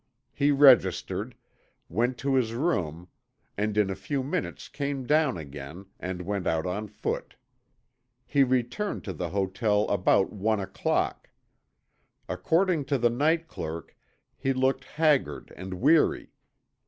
He registered, went to his room, and in a few minutes came down again and went out on foot. He returned to the hotel about one o'clock. According to the night clerk he looked haggard and weary.